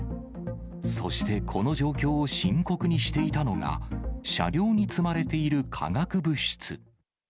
そしてこの状況を深刻にしていたのが、車両に積まれている化学物質。